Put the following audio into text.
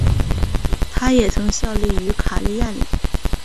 他也曾效力于卡利亚里。